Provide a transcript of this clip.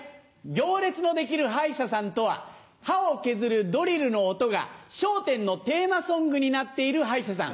行列の出来る歯医者さんとは歯を削るドリルの音が『笑点』のテーマソングになっている歯医者さん。